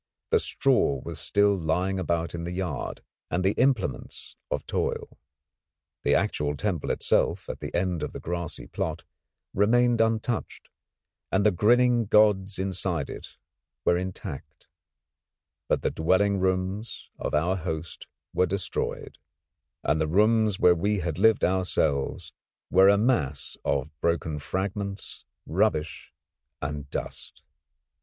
The straw was still lying about in the yard, and the implements of toil. The actual temple itself at the end of the grassy plot remained untouched, and the grinning gods inside it were intact; but the dwelling rooms of our host were destroyed, and the rooms where we had lived ourselves were a mass of broken fragments, rubbish, and dust.